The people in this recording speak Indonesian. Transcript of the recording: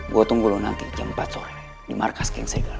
gue tunggu lo nanti jam empat sore di markas geng serigala